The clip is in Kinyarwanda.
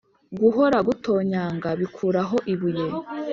guhora gutonyanga bikuraho ibuye